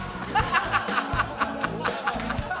ハハハハハ！